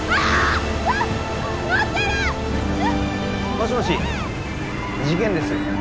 もしもし事件です